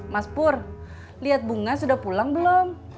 mas pur lihat bunga sudah pulang belum